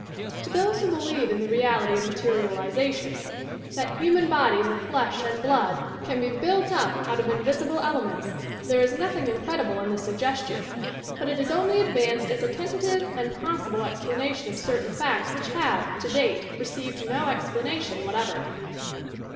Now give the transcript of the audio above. To those who believe in the reality of materialization — that hu man bodies of flesh and blood can be built up out of 160 YOUR PSYCHIC POWBRS invisible elements — ^there is nothing incredible in tliia suggestion. But it is only advanced as a tentative and possible explanation of certain facts which have, to date, received no explanation whatever.